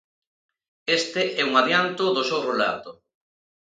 Este é un adianto do seu relato.